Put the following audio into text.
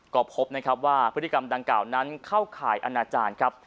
ก็พบนะครับว่าพฤติกรรมดังกล่าวนั้นเข้าข่ายอนาจารย์ครับ